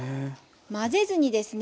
混ぜずにですね